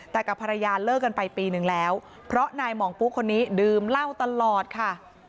แต่กับภรรยาเลิกกันไปปีนึงแล้วเพราะนายหมองปุ๊กคนนี้ดื่มเหล้าตลอดค่ะ